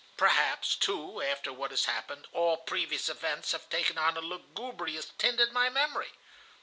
Perhaps, too, after what has happened, all previous events have taken on a lugubrious tint in my memory.